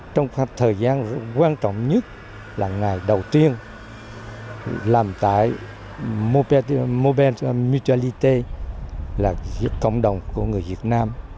trong khoảng thời gian quan trọng nhất là ngày đầu tiên làm tại mobile mutuality là cộng đồng của người việt nam